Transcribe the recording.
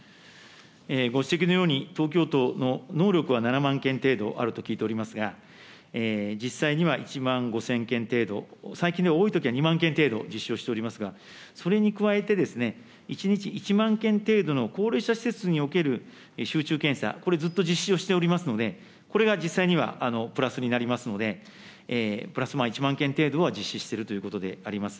ご指摘のように、東京都の能力は７万件程度あると聞いておりますが、実際には１万５０００件程度、最近では多いときは２万件程度、実施をしておりますが、それに加えて、１日１万件程度の高齢者施設における集中検査、これずっと実施をしておりますので、これが実際にはプラスになりますので、プラス１万件程度は実施しているということであります。